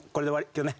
今日ね。